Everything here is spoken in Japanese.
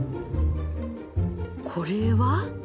これは？